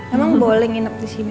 emang boleh nginep disini